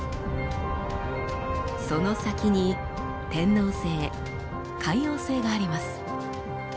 その先に天王星海王星があります。